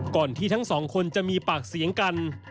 ก่อนที่ทั้งสองคนจะมีปากเสียงกัน